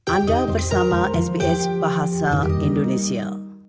anda bersama sbs bahasa indonesia